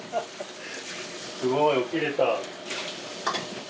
すごい起きれた。